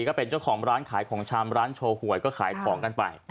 ก็เป็นเจ้าของร้านขายของชำร้านโชว์หวยก็ขายของกันไป